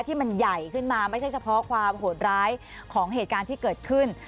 ที่มันใหญ่ขึ้นมาไม่ใช่เฉพาะความโหดร้ายของเหตุการณ์ที่เกิดขึ้น